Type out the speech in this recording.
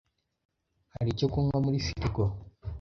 Hari icyo kunywa muri firigo?